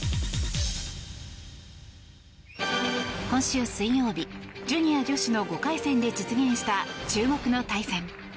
今週水曜日ジュニア女子の５回戦で実現した注目の対戦。